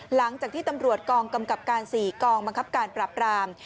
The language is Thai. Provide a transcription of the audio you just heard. หลังจากที่ตำรวจกองกำกับการ๔กองบังคับการปรับราม